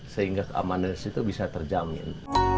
sehingga keamanan di deras itu bisa terjamin